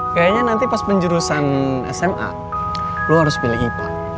kayaknya nanti pas penjurusan sma lo harus pilih ibu